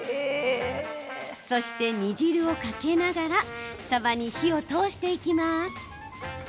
そして、煮汁をかけながらさばに火を通していきます。